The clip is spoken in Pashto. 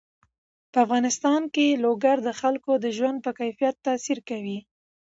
په افغانستان کې لوگر د خلکو د ژوند په کیفیت تاثیر کوي.